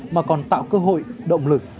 mà còn tạo cơ hội động lực